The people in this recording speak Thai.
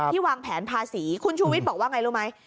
วางแผนภาษีคุณชูวิทย์บอกว่าไงรู้ไหม